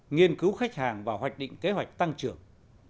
nghiên cứu khách hàng và hoạch định kế hoạch tăng trưởng